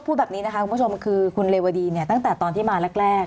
พูดแบบนี้นะคะคุณผู้ชมคือคุณเรวดีเนี่ยตั้งแต่ตอนที่มาแรก